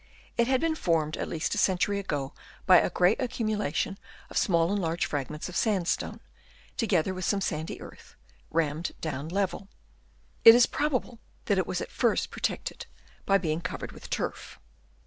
It had been formed at least a century ago by a great accumulation of small and large frag ments of sandstone, together with some sandy earth, rammed down level. It is probable that it was at first protected by being covered with turf.